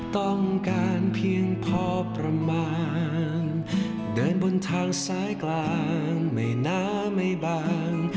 ต้องการเพียงพอประมาณเดินบนทางซ้ายกลางไม่น้าไม่บาง